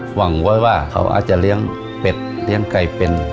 หวังไว้ว่าเขาอาจจะเลี้ยงเป็ดเลี้ยงไก่เป็น